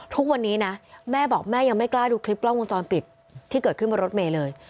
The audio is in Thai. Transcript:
ทุกวันนี้นะแม่บอกแม่ยังไม่กล้าดูคลิปกล้องวงจรปิดที่เกิดขึ้นบนรถเมย์เลย